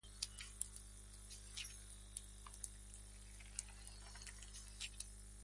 Esto continuó durante toda la Edad Antigua y la Edad Media.